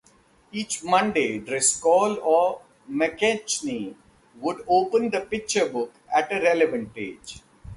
Each Monday, Driscoll or McKechnie would open the Picture Book at a relevant page.